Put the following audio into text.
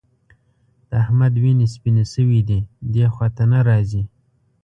د احمد وینې سپيېنې شوې دي؛ دې خوا ته نه راځي.